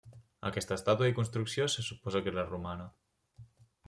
Aquesta estàtua i construcció se suposa que era romana.